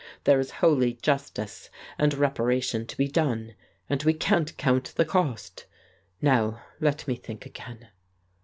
There is holy justice and reparation to be done, and we can't count the cost. Now, let me think again